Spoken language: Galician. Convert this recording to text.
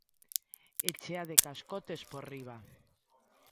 E chea de cascotes por riba.